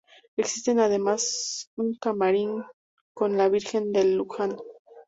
Existe además un camarín con la virgen del Luján.